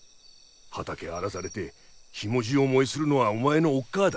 畑荒らされてひもじい思いするのはお前のおっ母だ。